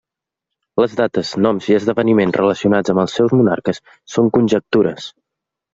Les dates, noms i esdeveniments relacionats amb els seus monarques són conjectures.